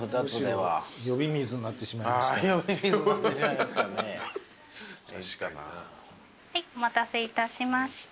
はいお待たせいたしました。